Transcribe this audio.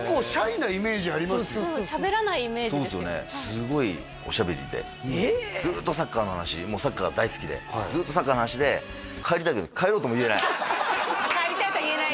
すごいおしゃべりでずっとサッカーの話もうサッカー大好きでずっとサッカーの話で「帰りたい」とは言えないよね